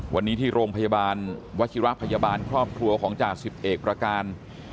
วันนี้ที่โรงพยาบาลวัชิระพยาบาลครอบครัวของจ่าสิบเอกประการ